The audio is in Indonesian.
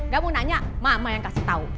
gak mau nanya mama yang kasih tau